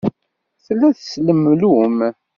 Tella teslemlum.